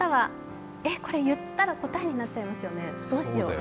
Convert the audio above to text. これ言ったら答えになっちゃいますよね、どうしよう。